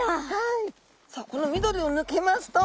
さあこの緑を抜けますと。